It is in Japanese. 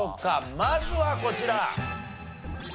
まずはこちら。